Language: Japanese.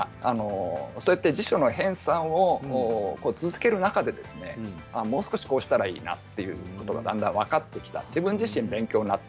そうやって辞書の編さんを続ける中でもう少しこうしたらいいなということがだんだん分かってきた。